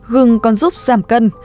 gừng còn giúp giảm cân